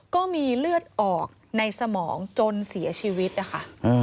ก็มีเลือดออกในสมองจนเสียชีวิตนะคะ